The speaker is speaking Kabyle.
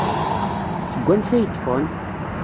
Seg wansi ay d-ffɣent?